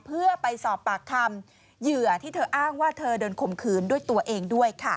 เพื่อไปสอบปากคำเหยื่อที่เธออ้างว่าเธอโดนข่มขืนด้วยตัวเองด้วยค่ะ